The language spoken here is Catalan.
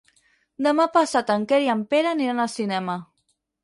Demà passat en Quer i en Pere aniran al cinema.